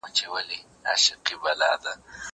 زه کولای سم پوښتنه وکړم!!